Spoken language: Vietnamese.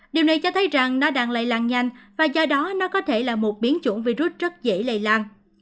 điều này cho thấy rằng nó đang lây lan nhanh và do đó nó có thể là một biến chủng virus rất dễ lây lan